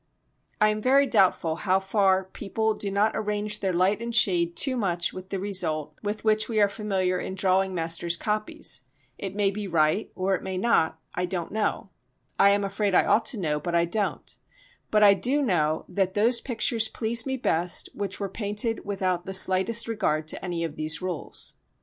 I am very doubtful how far people do not arrange their light and shade too much with the result with which we are familiar in drawing masters' copies; it may be right or it may not, I don't know—I am afraid I ought to know, but I don't; but I do know that those pictures please me best which were painted without the slightest regard to any of these rules.